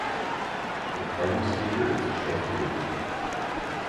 The current Speaker is Geoff Regan.